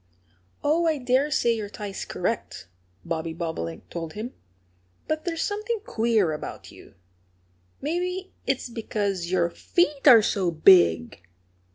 "Oh, I dare say your tie's correct," Bobby Bobolink told him. "But there's something queer about you. Maybe it's because your feet are so big!"